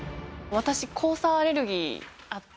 私黄砂アレルギーあって。